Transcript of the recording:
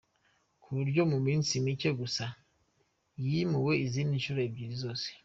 ku buryo mu minsi mike gusa yimuwe izindi nshuro ebyiri zose.